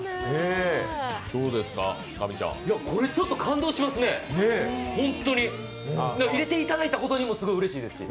これ、ちょっと感動しますね入れていただいたことにも、すごいうれしいですし。